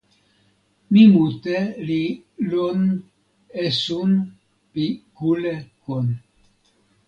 mi mute li lon esun pi kule kon.